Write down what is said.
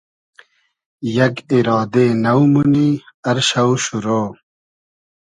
یئگ ایرادې نۆ مونی ار شۆ شورۉ